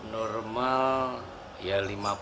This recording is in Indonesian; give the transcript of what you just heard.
normal ya lima puluh